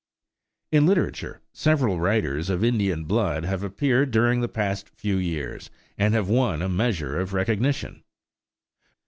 In literature several writers of Indian blood have appeared during the past few years, and have won a measure of recognition.